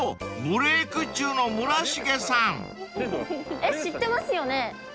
えっ知ってますよね？